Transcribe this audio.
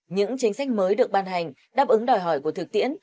những chính sách mới được ban hành đáp ứng đòi hỏi của thực tiễn